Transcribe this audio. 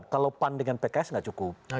kalau pan dengan pks nggak cukup